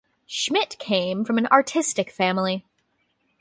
Schmidt came from an artistic family.